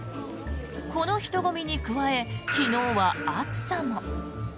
この人混みに加え昨日は暑さも。